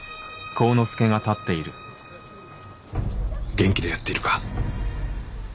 元気でやっているか？